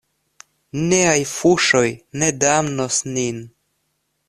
Niaj fuŝoj ne damnos nin.